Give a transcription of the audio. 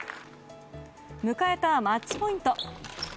迎えたマッチポイント。